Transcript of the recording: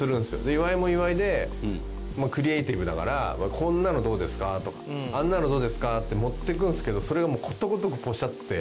で岩井も岩井でクリエイティブだから「こんなのどうですか？」とか「あんなのどうですか？」って持っていくんですけどそれがもうことごとくポシャって。